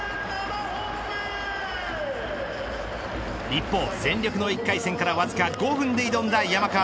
一方、全力の１回戦からわずか５分で挑んだ山川。